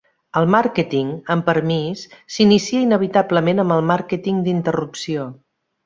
El màrqueting amb permís s'inicia inevitablement amb el màrqueting d'interrupció.